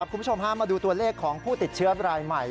คุณผู้ชมมาดูตัวเลขของผู้ติดเชื้อรายใหม่